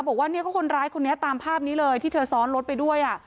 บอกว่าเนี่ยก็คนร้ายคนนี้ตามภาพนี้เลยที่เธอซ้อนรถไปด้วย